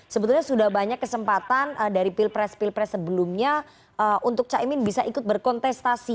sebetulnya sudah banyak kesempatan dari pilpres pilpres sebelumnya untuk caimin bisa ikut berkontestasi